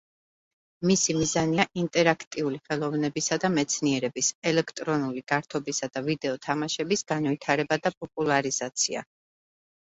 მისი მიზანია „ინტერაქტიული ხელოვნებისა და მეცნიერების“, ელექტრონული გართობისა და ვიდეო თამაშების განვითარება და პოპულარიზაცია.